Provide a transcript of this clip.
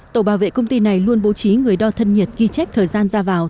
tổ bảo vệ công ty này luôn bố trí người đo thân nhiệt ghi chép thời gian ra vào